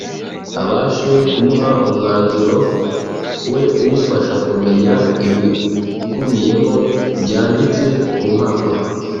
abashe kumuha umwanzuro we umufasha kumenya ibikubiyemo byanditse ku mpapuro